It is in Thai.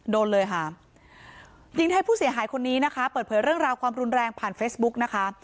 โดนเลยค่ะหญิงไทยผู้เสียหายคนนี้นะคะเปิดเผยเรื่องราวความรุนแรงผ่านเฟซบุ๊กนะคะ